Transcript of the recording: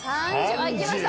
あっいきました！